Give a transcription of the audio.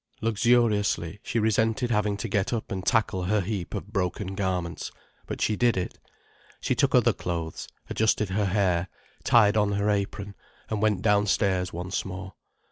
Luxuriously, she resented having to get up and tackle her heap of broken garments. But she did it. She took other clothes, adjusted her hair, tied on her apron, and went downstairs once more.